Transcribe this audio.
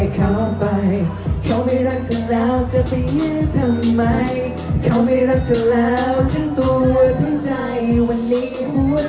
เขาไม่รักเธอแล้วก็แค่ปล่อยเข้าไป